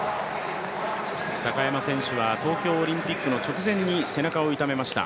高山選手は東京オリンピックの直前に背中を痛めました。